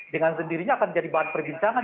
dengan sendirinya akan jadi bahan perbincangan